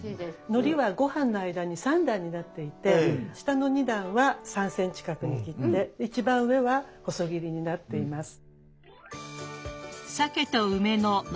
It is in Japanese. のりはごはんの間に三段になっていて下の二段は３ｃｍ角に切って一番上は細切りになっています。